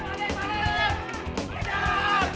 balik balik balik